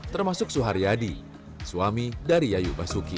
termasuk suharyadi suami dari yayu basuki